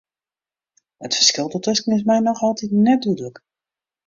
It ferskil dêrtusken is my noch altiten net dúdlik.